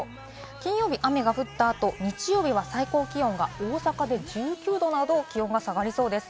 金曜日、雨が降った後、日曜日は最高気温が大阪で１９度など気温が下がりそうです。